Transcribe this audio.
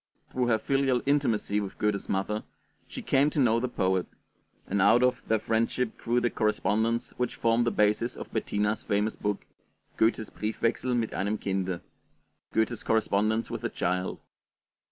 Through her filial intimacy with Goethe's mother, she came to know the poet; and out of their friendship grew the correspondence which formed the basis of Bettina's famous book, 'Goethe's Briefwechsel mit einem Kinde' (Goethe's Correspondence with a Child).